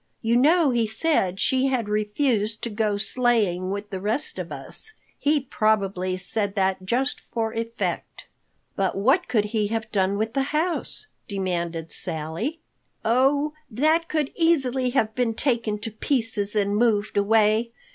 You know he said she had refused to go sleighing with the rest of us. He probably said that just for effect." "But what could he have done with the house?" demanded Sally. "Oh, that could easily have been taken to pieces and moved away.